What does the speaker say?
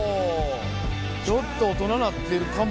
ちょっと大人なってるかも。